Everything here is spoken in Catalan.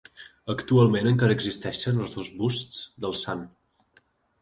Actualment encara existeixen els dos busts del sant.